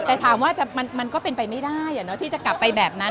แต่ถามว่ามันก็เป็นไปไม่ได้ที่จะกลับไปแบบนั้น